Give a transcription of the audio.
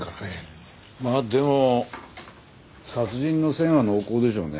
まあでも殺人の線は濃厚でしょうね。